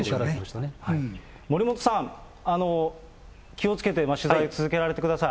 森本さん、気をつけて取材を続けてください。